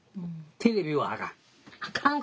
テレビはあかん。